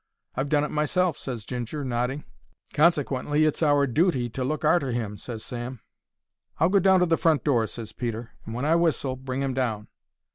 "I've done it myself," ses Ginger, nodding. "Consequently it's our dooty to look arter 'im," ses Sam. "I'll go down to the front door," ses Peter, "and when I whistle, bring him down."